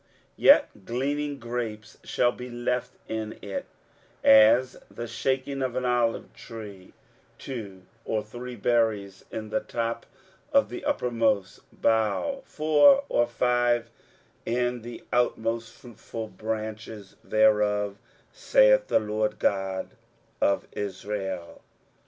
23:017:006 Yet gleaning grapes shall be left in it, as the shaking of an olive tree, two or three berries in the top of the uppermost bough, four or five in the outmost fruitful branches thereof, saith the LORD God of Israel.